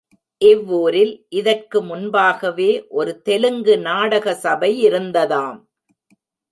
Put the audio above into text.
இவ்வூரில் இதற்கு முன்பாகவே ஒரு தெலுங்கு நாடக சபையிருந்ததாம்.